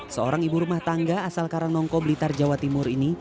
seorang ibu rumah tangga asal karanongko blitar jawa timur ini